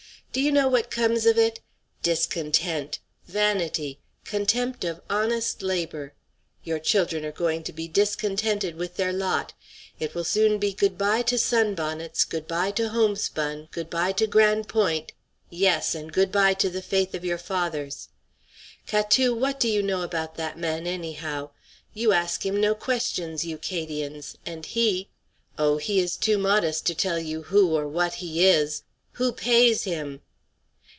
Do you know what comes of it? Discontent. Vanity. Contempt of honest labor. Your children are going to be discontented with their lot. It will soon be good by to sunbonnets; good by to homespun; good by to Grande Pointe, yes, and good by to the faith of your fathers. Catou, what do you know about that man, anyhow? You ask him no questions, you 'Cadians, and he oh, he is too modest to tell you who or what he is. _Who pays him?